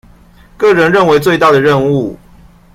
個人認為最大的任務